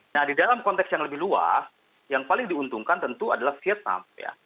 nah di dalam konteks yang lebih luas yang paling diuntungkan tentu adalah vietnam ya